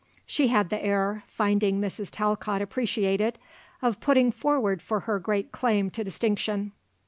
She had the air, finding Mrs. Talcott appreciated, of putting forward for her her great claim to distinction.